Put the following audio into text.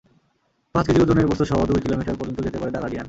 পাঁচ কেজি ওজনের বস্তুসহ দুই কিলোমিটার পর্যন্ত যেতে পারে দ্য গার্ডিয়ান।